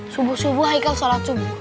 subuh subuh ikan sholat subuh